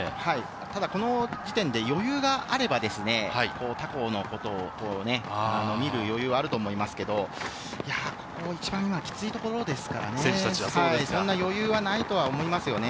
ただ、この時点で余裕があればですね、他校のことを見る余裕はあると思いますけれども、ここ一番、今きついところですからね、そんな余裕はないとは思いますよね。